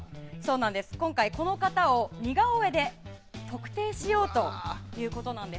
今回、この方を似顔絵で特定しようということなんです。